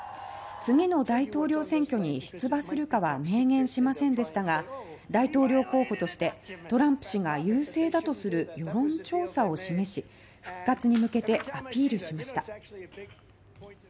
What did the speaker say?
次の大統領選挙に出馬するかは明言しませんでしたが大統領候補としてトランプ氏が優勢だとする世論調査を示し復活に向けてアピールしました。